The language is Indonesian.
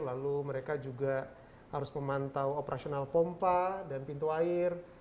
lalu mereka juga harus memantau operasional pompa dan pintu air